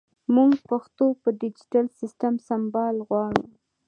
مونږ پښتو په ډیجېټل سیسټم سمبال غواړو